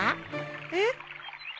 えっ？